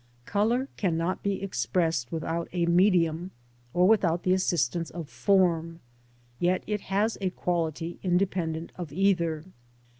Colour cannot be expressed without a medium, or without the assistance of form, yet it has a quality independent of either.